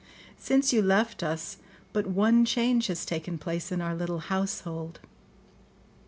Since you left us, but one change has taken place in our little household.